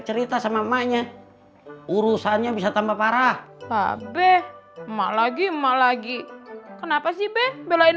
cerita sama emaknya urusannya bisa tambah parah ah be emak lagi emak lagi kenapa sih be belain